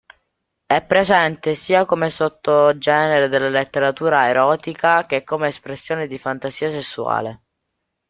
È presente sia come sottogenere della letteratura erotica che come espressione di fantasia sessuale.